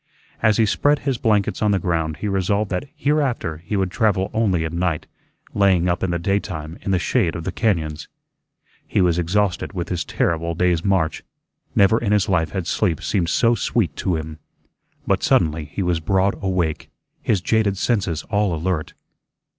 As he spread his blankets on the ground he resolved that hereafter he would travel only at night, laying up in the daytime in the shade of the cañóns. He was exhausted with his terrible day's march. Never in his life had sleep seemed so sweet to him. But suddenly he was broad awake, his jaded senses all alert.